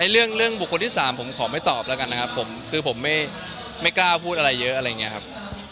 เรื่องบุคคลที่๓ผมขอไม่ตอบแล้วกันนะครับผมคือผมไม่กล้าพูดอะไรเยอะอะไรอย่างนี้ครับ